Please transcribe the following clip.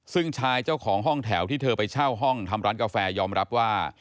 ซึ่งชายเจ้าของห้องแถวที่เธอไปเช่าห้องทำร้านกาแฟยอมรับว่า